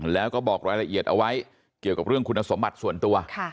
แล้วก็บอกรายละเอียดเอาไว้เกี่ยวกับเรื่องคุณสมบัติส่วนตัว